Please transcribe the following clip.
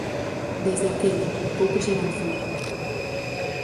Desde aquela, pouco se avanzou.